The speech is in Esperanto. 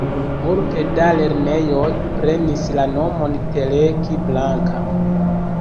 Multe da lernejoj prenis la nomon Teleki Blanka.